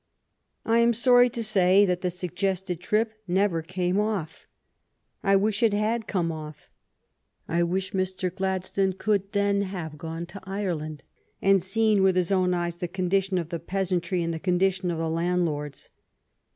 I am sorry to say that the suggested trip never came off. I wish it had come off. I wish Mr. Gladstone could then have gone to Ireland and seen with his own eyes the condition of the peas antry and the condition of the landlords.